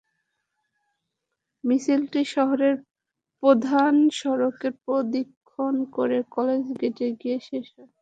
মিছিলটি শহরের প্রধান সড়ক প্রদক্ষিণ করে কলেজ গেটে গিয়ে শেষ হয়।